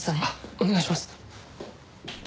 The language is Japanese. お願いします。